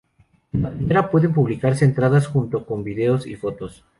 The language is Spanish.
En la primera, pueden publicarse entradas junto con vídeos y fotos.